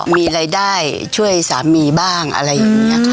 มีรายได้ช่วยสามีบ้างอะไรอย่างนี้ค่ะ